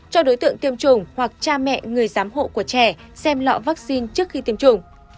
cho đối tượng tiêm chủng hoặc cha mẹ người giám hộ của trẻ xem lọ vaccine trước khi tiêm chủng